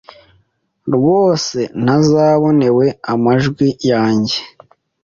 rwose ntazabonawe amajwi yanjye.